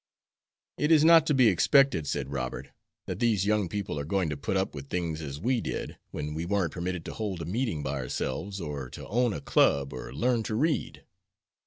"It is not to be expected," said Robert, "that these young people are going to put up with things as we did, when we weren't permitted to hold a meeting by ourselves, or to own a club or learn to read."